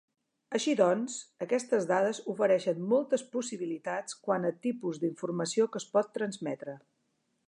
Així doncs, aquestes dades ofereixen moltes possibilitats quant a tipus d'informació que es pot transmetre.